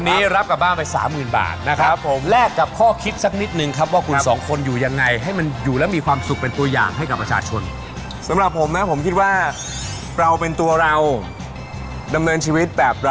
นั้นสุดก็คือสี่สิบห้าวินะโอ้โหเคย